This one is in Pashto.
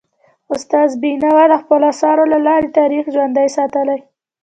استاد بینوا د خپلو اثارو له لارې تاریخ ژوندی ساتلی.